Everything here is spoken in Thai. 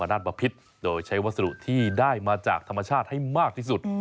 นาฏบพิษโดยใช้วัสดุที่ได้มาจากธรรมชาติให้มากที่สุด